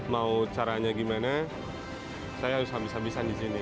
mau caranya gimana saya harus habis habisan di sini